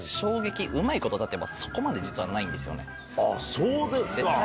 そうですか！